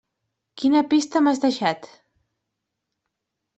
Quina pista m'has deixat?